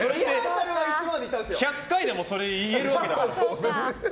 １００回でもそれ言えるわけだから。